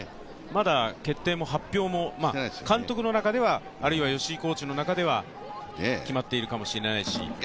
ただ監督の中ではあるいは吉井コーチの中では決まっているかもしれないし。